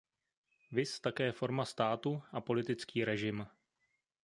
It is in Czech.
Viz také forma státu a politický režim.